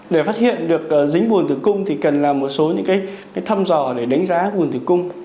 để phát hiện được dính vùng tử cung thì cần làm một số những cái thăm dò để đánh giá nguồn tử cung